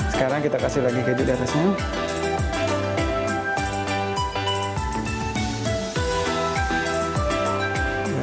sekarang kita kasih lagi keju diatasnya